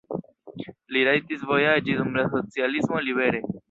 Li rajtis vojaĝi dum la socialismo libere.